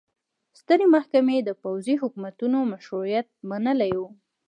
سترې محکمې د پوځي حکومتونو مشروعیت منلی و.